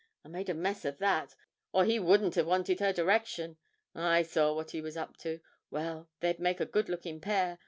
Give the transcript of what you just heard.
I made a mess o' that, or he wouldn't have wanted her direction. I saw what he was up to well, they'd make a good looking pair.